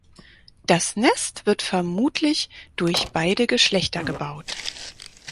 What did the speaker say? Das Nest wird vermutlich durch beide Geschlechter gebaut.